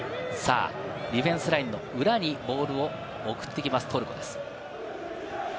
ディフェンスラインの裏にボールを送ってきます、トルコです。